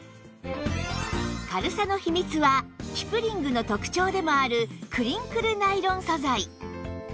軽さの秘密はキプリングの特長でもあるクリンクルナイロン素材